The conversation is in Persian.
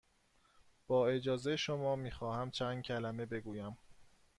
با اجازه شما، می خواهم چند کلمه بگویم.